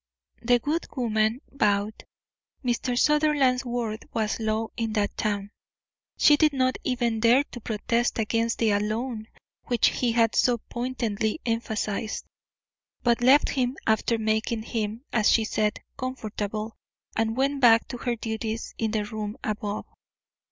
The good woman bowed. Mr. Sutherland's word was law in that town. She did not even dare to protest against the ALONE which he had so pointedly emphasised, but left him after making him, as she said, comfortable, and went back to her duties in the room above.